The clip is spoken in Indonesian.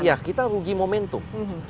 iya kita rugi momentum